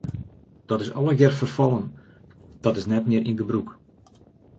Dat is allegear ferfallen, dat is net mear yn gebrûk.